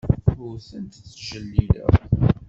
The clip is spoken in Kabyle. Ur tent-ttjellileɣ.